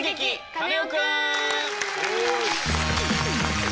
カネオくん」！